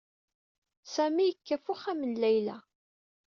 Sami yekka ɣef uxxam n Layla.